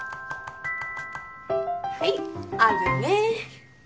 はいあるね。